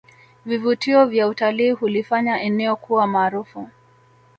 Vivutio vya utalii hulifanya eneo kuwa maarufu